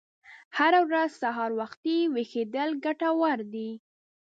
هره ورځ سهار وختي ویښیدل ګټور دي.